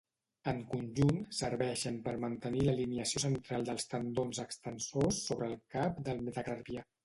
En conjunt, serveixen per mantenir l'alineació central dels tendons extensors sobre el cap del metacarpià.